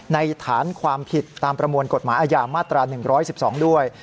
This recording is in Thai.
ฐานความผิดตามประมวลกฎหมายอาญามาตรา๑๑๒ด้วย